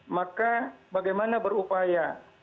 maka bagaimana berupaya